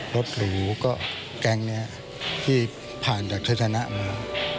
รถหรูก็แก๊งนี้ที่ผ่านจากทัศนะมา